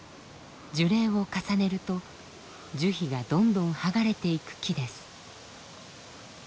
樹齢を重ねると樹皮がどんどんはがれていく木です。